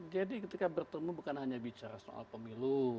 jadi ketika bertemu bukan hanya bicara soal pemilu